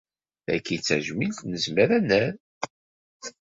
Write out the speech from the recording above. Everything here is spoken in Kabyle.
Tagi i d tajmilt nezmer ad nerr.